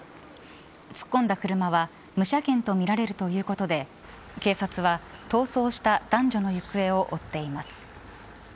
突っ込んだ車は無車検とみられるということで警察は逃走した男女のゆくえを追っています。